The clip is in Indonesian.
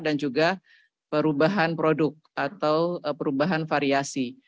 dan juga perubahan produk atau perubahan variasi